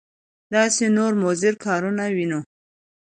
داسې نور مضر کارونه وینو.